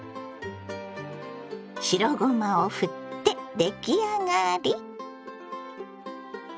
白ごまをふって出来上がり。